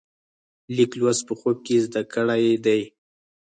لیک لوست په خوب کې زده کړی دی.